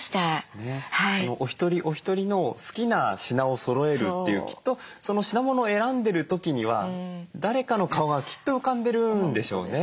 お一人お一人の好きな品をそろえるっていうきっとその品物を選んでる時には誰かの顔がきっと浮かんでるんでしょうね。